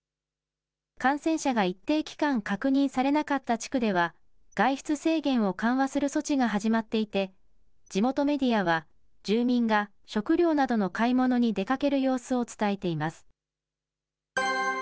感染者が一定期間確認されなかった地区では、外出制限を緩和する措置が始まっていて、地元メディアは、住民が食料などの買い物に出かける様子を伝えています。